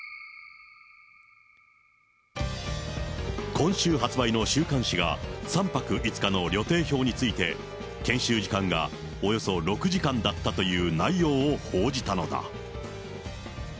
今週発売の週刊誌が３泊５日の旅程表について、研修時間がおよそ６時間だったという内容を報じたのだ。